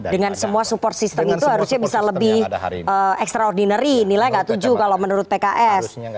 dengan semua support system itu harusnya bisa lebih extraordinary nilai nggak tujuh kalau menurut pks